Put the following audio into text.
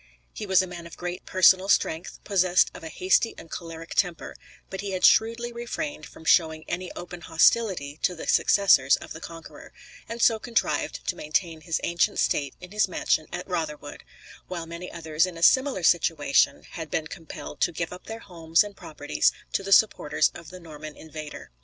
He was a man of great personal strength, possessed of a hasty and choleric temper, but he had shrewdly refrained from showing any open hostility to the successors of the Conqueror; and so contrived to maintain his ancient state in his mansion at Rotherwood, while many others in a similar situation had been compelled to give up their homes and properties to the supporters of the Norman invader.